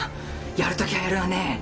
やる時はやるわね。